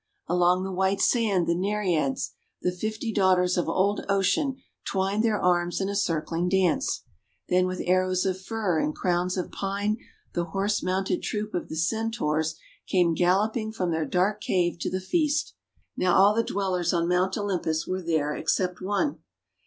Along the white sand the Nereids, the fifty daughters of Old Ocean, twined their arms in a circling dance. Then with arrows of fir and crowns of pine, the horse THE WONDER GARDEN mounted troop of the Centaurs came galloping from their dark cave to the feast. Now all the Dwellers on Mount Olympus were there except one.